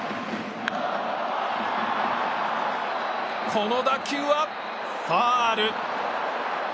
この打球はファウル。